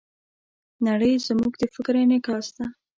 نړۍ زموږ د فکر انعکاس ده.